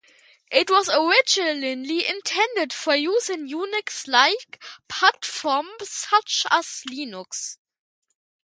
It was originally intended for use in Unix-like platforms such as Linux.